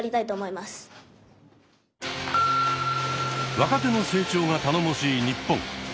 若手の成長が頼もしい日本。